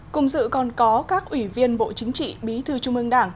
cùng dự còn có các ủy viên bộ chính trị bí thư trung ương đảng